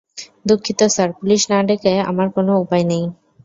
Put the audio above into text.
দুঃখিত, sir, police না ডেকে আমার কোনো উপায় নেই।